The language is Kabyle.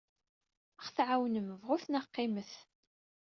Ad aɣ-tɛawnem, bɣut neɣ qqimet.